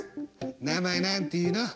名前何ていうの？